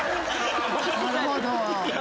なるほど。